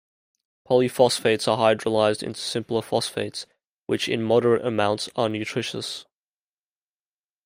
Polyphosphates are hydrolyzed into simpler phosphates, which in moderate amounts are nutritious.